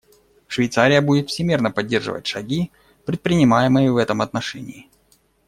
Швейцария будет всемерно поддерживать шаги, предпринимаемые в этом отношении.